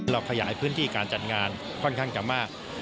ขยายพื้นที่การจัดงานค่อนข้างจะมาก